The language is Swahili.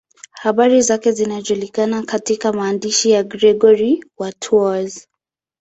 Habari zake zinajulikana katika maandishi ya Gregori wa Tours.